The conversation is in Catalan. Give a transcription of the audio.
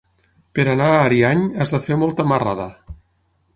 Per anar a Ariany has de fer molta marrada.